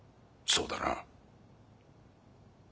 そうだな？